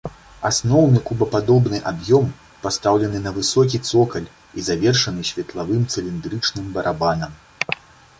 Асноўны кубападобны аб'ём пастаўлены на высокі цокаль і завершаны светлавым цыліндрычным барабанам.